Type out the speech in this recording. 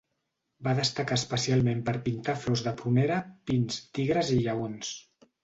Va destacar especialment per pintar flors de prunera, pins, tigres i lleons.